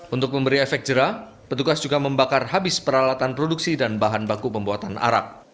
untuk memberi efek jerah petugas juga membakar habis peralatan produksi dan bahan baku pembuatan arak